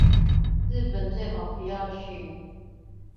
日本最好不要去